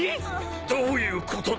どういうことだ！？